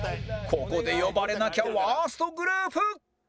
ここで呼ばれなきゃワーストグループ